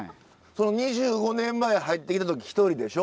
２５年前入ってきた時一人でしょ？